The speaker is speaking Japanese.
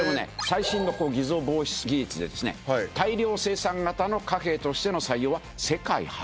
最新の偽造防止技術でですね大量生産型の貨幣としての採用は世界初と。